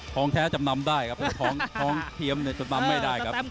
ของแท้จำนำได้ครับท้องเทียมจำนำไม่ได้ครับ